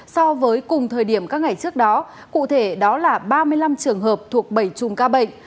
so với cùng thời điểm các ngày trước đó cụ thể đó là ba mươi năm trường hợp thuộc bảy chùm ca bệnh